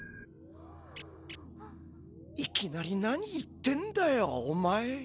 いきなり何言ってんだよお前。